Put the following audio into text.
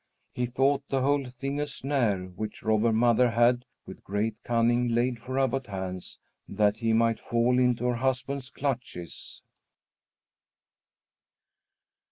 He thought the whole thing a snare which Robber Mother had, with great cunning, laid for Abbot Hans, that he might fall into her husband's clutches.